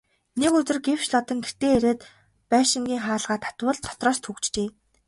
Нэг өдөр гэвш Лодон гэртээ ирээд байшингийн хаалгаа татвал дотроос түгжжээ.